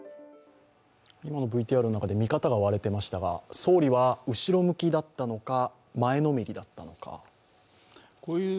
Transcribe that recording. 今のＶＴＲの中で見方が割れていましたが総理は後ろ向きだったのか、前のめりだったのか。